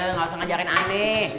nggak usah ngajarin aneh